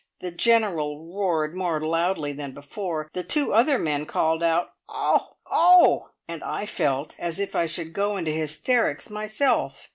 The General roared more loudly than before, the two other men called out, "Oh, oh!" and I felt as if I should go into hysterics myself.